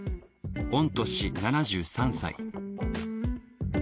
御年７３歳。